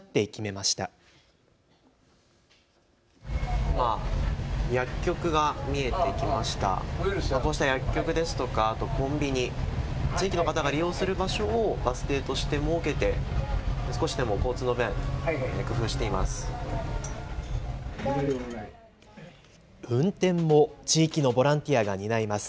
こうした薬局ですとかコンビニ、地域の方が利用する場所をバス停として設けて少しでも交通の便、工夫しています。